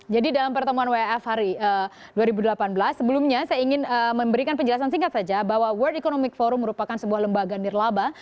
jadi dalam pertemuan waf hari dua ribu delapan belas sebelumnya saya ingin memberikan penjelasan singkat saja bahwa world economic forum merupakan sebuah lembaga nirlaba